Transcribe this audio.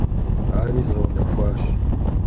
Ари згъэунэхуащ.